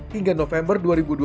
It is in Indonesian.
hingga november dua ribu dua puluh